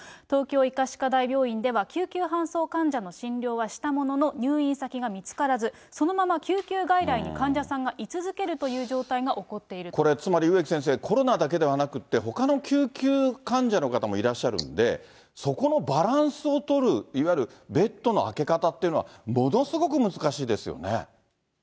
東京医科歯科大病院では救急搬送患者の診療はしたものの、入院先が見つからず、そのまま救急外来に患者さんがい続けるという状態が起こっているこれつまり植木先生、コロナだけではなくって、ほかの救急患者の方もいらっしゃるんで、そこのバランスを取る、いわゆるベッドの空け方っていうのは、ものすごく難しいですよね。